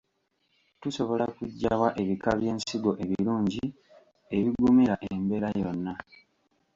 Tusobola kuggyawa ebika by'ensigo ebirungi ebigumira embeera yonna?